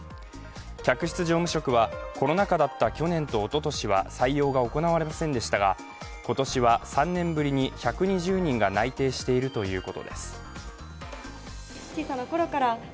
客室乗務職はコロナ禍だった去年とおととしは採用が行われませんでしたが今年は３年ぶりに１２０人が内定しているということです。